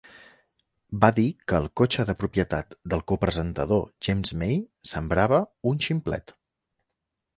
Va dir que el cotxe de propietat del co-presentador James May sembrava "un ximplet".